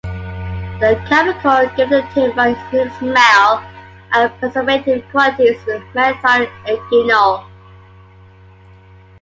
The chemical giving the timber its unique smell and preservative qualities is methyl eugenol.